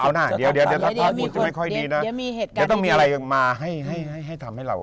เอานะเดี๋ยวถ้าภาพมันจะไม่ค่อยดีนะเดี๋ยวต้องมีอะไรมาให้ทำให้เรา